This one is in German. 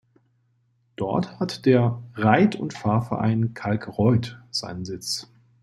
Dort hat der "Reit- und Fahrverein Kalkreuth" seinen Sitz.